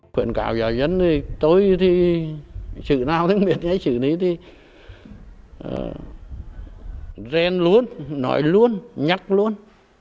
quyền cảo giáo dân thì tôi thì sử nào cũng biết nghe sử lý thì rèn luôn nói luôn nhắc luôn